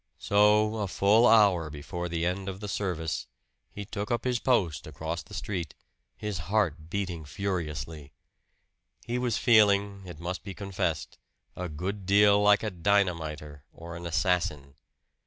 So, a full hour before the end of the service, he took up his post across the street, his heart beating furiously. He was feeling, it must be confessed, a good deal like a dynamiter or an assassin.